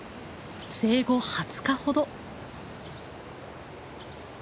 生後２０日ほど。